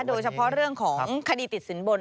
โดยเฉพาะเรื่องของคดีติดสินบน